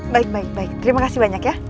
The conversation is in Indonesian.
baik baik baik terima kasih banyak ya